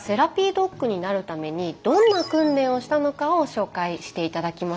ドッグになるためにどんな訓練をしたのかを紹介して頂きましょう。